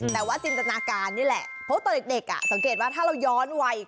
แต่ว่าจินตนาการนี่แหละเพราะตอนเด็กสังเกตว่าถ้าเราย้อนวัย